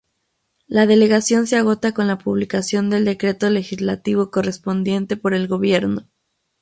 La delegación se agota con la publicación del decreto legislativo correspondiente por el Gobierno.